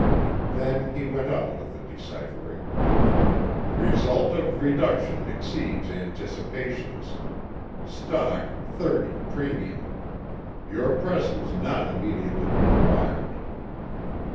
Then he went on with the deciphering: "'Result of reduction exceeds anticipations. Stock, 30 premium. Your presence not immediately required.'"